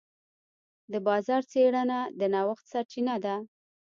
د بازار څېړنه د نوښت سرچینه ده.